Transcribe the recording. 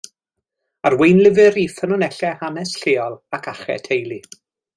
Arweinlyfr i ffynonellau hanes lleol ac achau teulu.